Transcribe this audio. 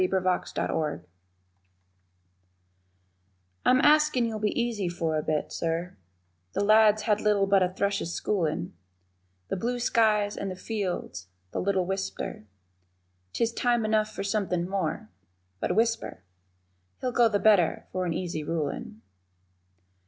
_ THE INTRODUCTION I'm askin' you'll be easy for a bit, Sir, The lad's had little but a thrush's schoolin', The blue skies and the fields, the little whipster, 'Tis time enough for something more (But whisper) He'll go the better for an easy rulin'.